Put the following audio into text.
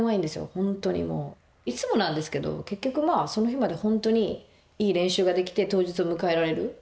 いつもなんですけど結局まあその日まで本当にいい練習ができて当日を迎えられる。